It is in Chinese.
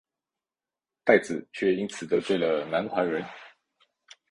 戴梓却因此得罪了南怀仁。